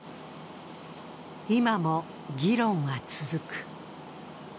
今も議論は続く。